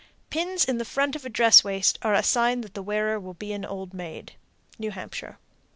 Pins in the front of a dress waist are a sign that the wearer will be an old maid. _New Hampshire.